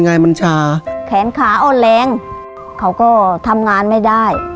ไงมันชาแขนขาอ่อนแรงเขาก็ทำงานไม่ได้